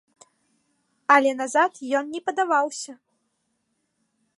Але назад ён не падаваўся.